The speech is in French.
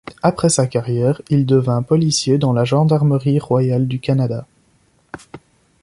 Après sa carrière, il devint policier dans la Gendarmerie royale du Canada.